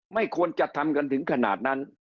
ไม่ควรจะทำกันถึงขนาดนั้น